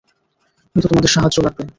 কিন্তু তোমাদের সাহায্য লাগবে।